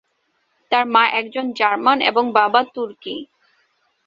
তার মা একজন জার্মান এবং বাবা তুর্কি।